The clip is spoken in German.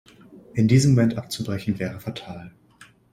In diesem Moment abzubrechen, wäre fatal.